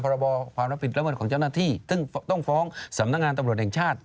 ความรับผิดระเบิดของเจ้าหน้าที่ซึ่งต้องฟ้องสำนักงานตำรวจแห่งชาติ